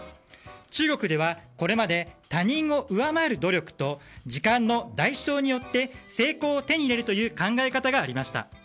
中国では、これまで他人を上回る努力と時間の代償によって成功を手に入れるという考え方がありました。